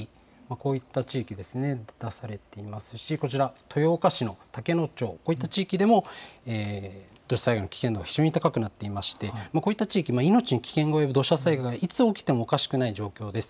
こういった地域ですね、出されていますし、こちら、豊岡市の竹野町、こういった地域でも土砂災害の危険度が非常に高くなっていまして、こういった地域、命に危険が及ぶ土砂災害がいつ起きてもおかしくない状況です。